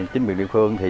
chính quyền địa phương thì